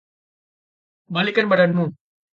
Balikkan badanmu.